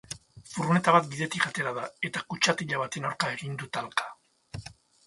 Furgoneta bat bidetik atera da eta kutxatila baten aurka egin du talka.